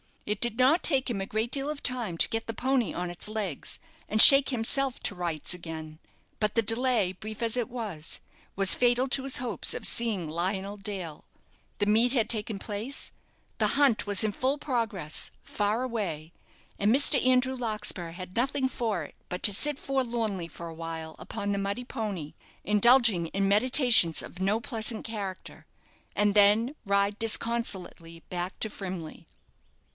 It did not take him a great deal of time to get the pony on its legs, and shake himself to rights again; but the delay, brief as it was, was fatal to his hopes of seeing Lionel Dale. The meet had taken place, the hunt was in full progress, far away, and Mr. Andrew Larkspur had nothing for it but to sit forlornly for awhile upon the muddy pony, indulging in meditations of no pleasant character, and then ride disconsolately back to Frimley.